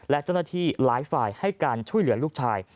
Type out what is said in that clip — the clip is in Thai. และเจ้าหน้าที่หลายฝ่ายให้การช่วยเหลือลูกชาย